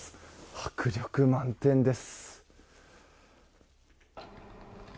迫力満点です。